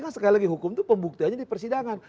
kan sekali lagi hukum itu pembuktianya di persidangan